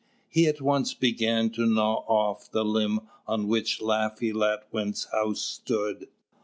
He at once began to gnaw off the limb on which Laffy Latwin's house stood.